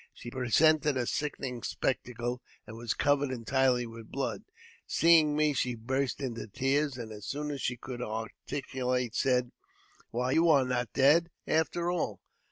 She presented a sickening spectacle, and was covered entirely with blood. Seeing me, she burst into tears, and as soon as she could articulate, said, " Why, you are not dead, after all